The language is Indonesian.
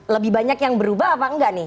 lebih banyak yang berubah atau tidak nih